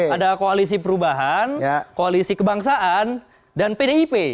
ada koalisi perubahan koalisi kebangsaan dan pdip